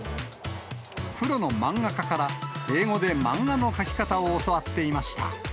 プロの漫画家から英語で漫画の描き方を教わっていました。